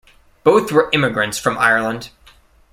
Both were immigrants from Ireland.